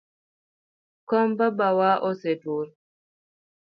Kom baba wa osetur.